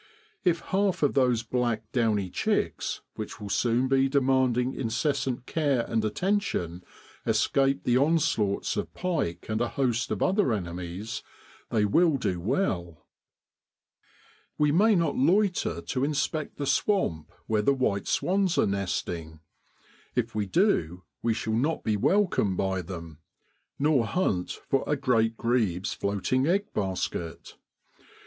If half of those black downy chicks, which will soon be demanding incessant care and attention, escape the onslaughts of pike and a host of other enemies, they will do well. 54 MAY IN BBOADLAND. We may not loiter to inspect the swamp where the white swans are nesting if we do we shall not be welcomed by them nor hunt for a great grebe's floating egg basket.